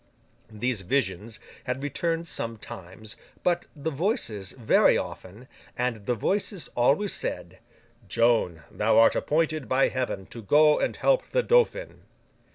These visions had returned sometimes; but the Voices very often; and the voices always said, 'Joan, thou art appointed by Heaven to go and help the Dauphin!